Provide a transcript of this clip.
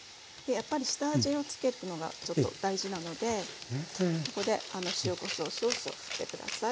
やっぱり下味をつけるのがちょっと大事なのでここで塩・こしょう少々振って下さい。